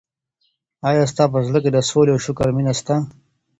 ایا ستا په زړه کي د سولي او شکر مینه سته؟